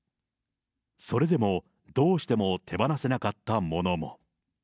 それでもどうしても手放せなかったものも。